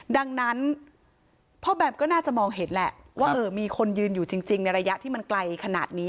ดังนั้นพ่อแบมก็น่าจะมองเห็นแหละว่ามีคนยืนอยู่จริงในระยะที่มันไกลขนาดนี้